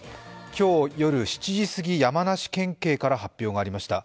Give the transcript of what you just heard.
今日夜７時過ぎ、山梨県警から発表がありました。